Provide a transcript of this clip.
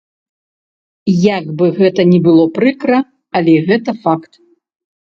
Як бы гэта ні было прыкра, але гэта факт.